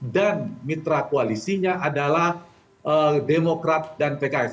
dan mitra koalisinya adalah demokrat dan pks